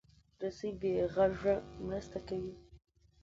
رسۍ بې غږه مرسته کوي.